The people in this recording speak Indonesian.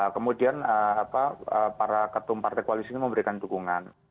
kemudian para ketua partai koalis ini memberikan dukungan